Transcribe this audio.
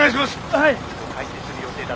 はい。